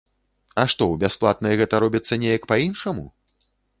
А што, у бясплатнай гэта робіцца неяк па-іншаму?